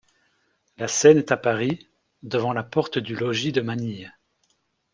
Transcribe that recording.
La Scène est à Paris, devant la porte du logis de Manille.